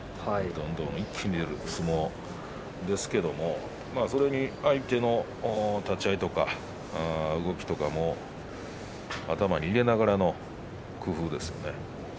どんどん一気に出る相撲ですけれどもそれに相手の立ち合いとか動きとかも頭に入れながらの工夫ですよね。